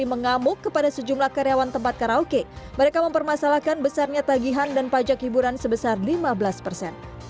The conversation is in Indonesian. mengamuk kepada sejumlah karyawan tempat karaoke mereka mempermasalahkan besarnya tagihan dan pajak hiburan sebesar lima belas persen